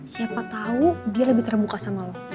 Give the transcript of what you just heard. siapa tahu dia lebih terbuka sama lo